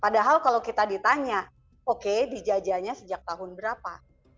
padahal kalau kita ditanya oke dijajahnya sejak tahun berapa